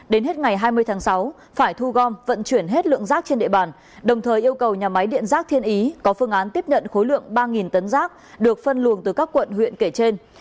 đến hết ngày hai mươi tháng sáu phải thu gom vận chuyển hết lượng rác trên địa bàn đồng thời yêu cầu nhà máy điện rác thiên ý có phương án tiếp nhận khối lượng ba tấn rác được phân luồng từ các quận huyện kể trên